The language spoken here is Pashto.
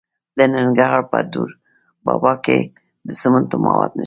د ننګرهار په دور بابا کې د سمنټو مواد شته.